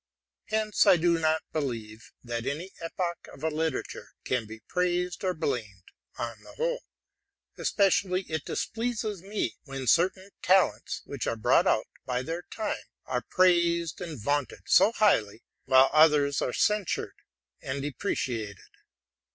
Hence I do not believe that any epoch of a literature can be praised or blamed on the whole : especially it displeases me when certain talents, which are brought out by their time, are raised and vaunted so highly, a. RELATING TO MY LIFE. 135 while others are censured and depreciated.